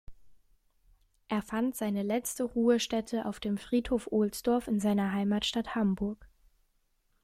Er fand seine letzte Ruhestätte auf dem Friedhof Ohlsdorf in seiner Heimatstadt Hamburg.